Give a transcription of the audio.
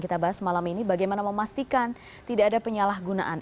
kita bahas malam ini bagaimana memastikan tidak ada penyalahgunaan